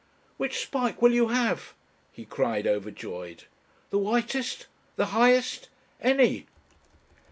"Which spike will you have?" he cried, overjoyed. "The whitest? The highest? Any!"